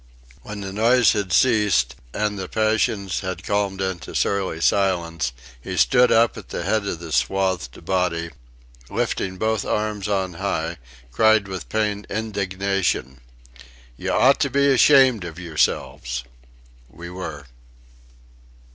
When the noise had ceased, and the passions had calmed into surly silence, he stood up at the head of the swathed body, lifting both arms on high, cried with pained indignation: "You ought to be ashamed of yourselves!..." We were.